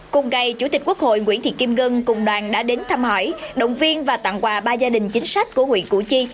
cùng ngày chủ tịch quốc hội nguyễn thị kim ngân cùng đoàn đã đến thăm hỏi động viên và tặng quà ba gia đình chính sách của huyện củ chi